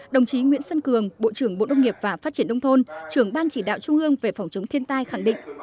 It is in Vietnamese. đồng chí nguyễn xuân cường bộ trưởng bộ nông nghiệp và phát triển đông thôn trưởng ban chỉ đạo trung ương về phòng chống thiên tai khẳng định